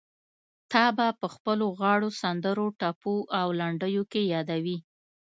تا به په خپلو غاړو، سندرو، ټپو او لنډيو کې يادوي.